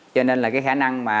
cho nên là cái khả năng mà